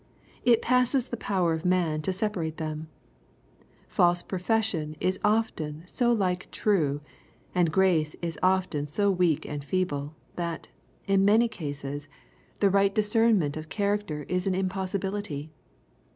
It passes the power of man to separate them. False profession is often so like true, and grace is often so weak and feeble^ that, in many cases, the right 5 98 EXPOSITOBY THOTTGHTS. discernment of character is an impossibility.